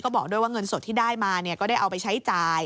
บอกด้วยว่าเงินสดที่ได้มาก็ได้เอาไปใช้จ่าย